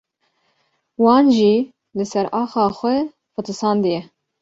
wan jî li ser axa xwe fetisandiye